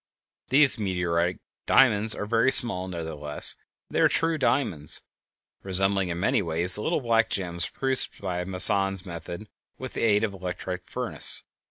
_ These meteoric diamonds are very small; nevertheless, they are true diamonds, resembling in many ways the little black gems produced by Moissan's method with the aid of the electric furnace.